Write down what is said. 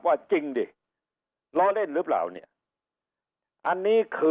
ใครได้ยินก็งงทั้งนั้น